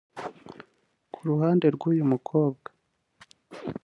Ku ruhande rw’uyu mukobwa